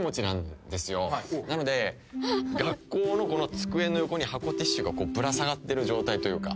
なので学校の机の横に箱ティッシュがぶら下がってる状態というか。